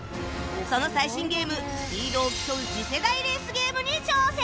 その最新ゲームスピードを競う次世代レースゲームに挑戦